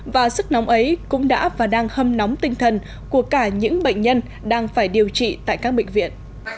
và sức nóng ấy cũng đã và đang hâm nóng tinh thần của cả những bệnh nhân đang phải điều trị tại các bệnh viện